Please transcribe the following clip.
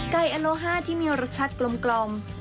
อโนฮาที่มีรสชาติกลม